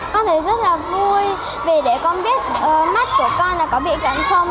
con thấy rất là vui vì để con biết mắt của con có bị cận không